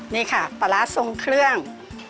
นี่ค่ะปลาร้าทรงเครื่อง